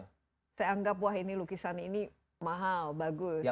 saya anggap wah ini lukisan ini mahal bagus